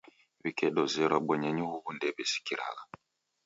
Wikedozerwa bonyenyi huw'u, ndew'sikiragha.